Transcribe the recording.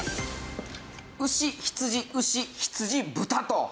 牛羊牛羊豚と。